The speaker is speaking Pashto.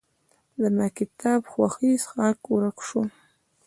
زما کتاب ښوی ښهاک ورک شو.